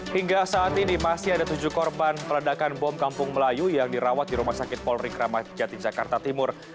hingga saat ini masih ada tujuh korban peledakan bom kampung melayu yang dirawat di rumah sakit polri kramat jati jakarta timur